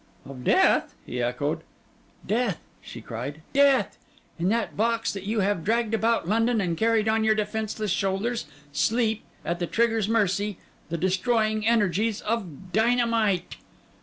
'Of death?' he echoed. 'Death!' she cried: 'death! In that box that you have dragged about London and carried on your defenceless shoulders, sleep, at the trigger's mercy, the destroying energies of dynamite.